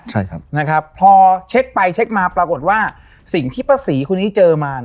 ใช่ครับนะครับพอเช็คไปเช็คมาปรากฏว่าสิ่งที่ป้าศรีคนนี้เจอมา